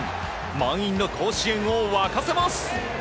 満員の甲子園を沸かせます！